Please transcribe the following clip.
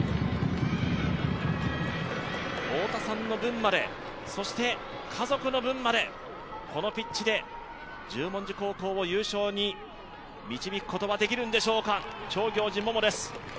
太田さんの分まで、そして家族の分までこのピッチで十文字高校を優勝に導くことはできるんでしょうか、長行司百杏です